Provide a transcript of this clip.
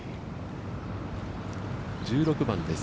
１６番です。